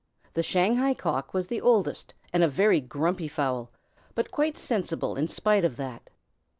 The Shanghai Cock was the oldest, and a very grumpy fowl, but quite sensible in spite of that.